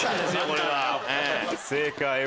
正解は。